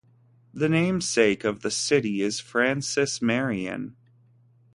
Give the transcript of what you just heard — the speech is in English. The namesake of the city is Francis Marion.